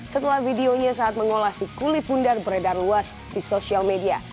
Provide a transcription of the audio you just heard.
setelah videonya saat mengolah si kulit bundar beredar luas di sosial media